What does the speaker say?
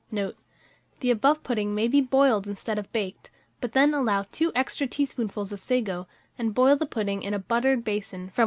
Note. The above pudding may be boiled instead of baked; but then allow 2 extra tablespoonfuls of sago, and boil the pudding in a buttered basin from 1 1/4 to 1 3/4 hour.